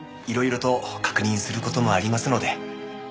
いろいろと確認する事もありますので。